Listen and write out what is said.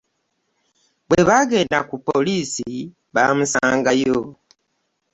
Bwe baagenda ku poliisi baamusangayo.